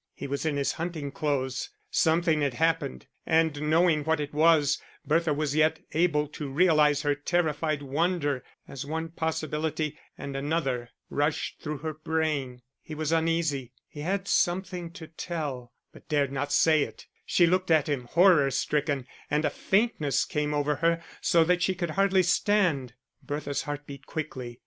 He was in his hunting clothes! Something had happened, and knowing what it was, Bertha was yet able to realise her terrified wonder, as one possibility and another rushed through her brain. He was uneasy, he had something to tell, but dared not say it; she looked at him, horror stricken, and a faintness came over her so that she could hardly stand. Bertha's heart beat quickly.